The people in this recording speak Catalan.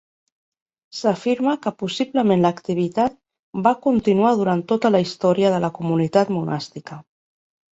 S'afirma que possiblement l'activitat va continuar durant tota la història de la comunitat monàstica.